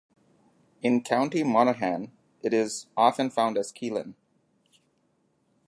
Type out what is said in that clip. In County Monaghan it is often found as Keelan.